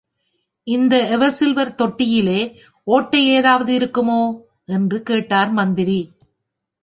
இந்த ever silver தொட்டியிலே ஓட்டை ஏதாவது இருக்குமோ? என்று கேட்டார் மந்திரி.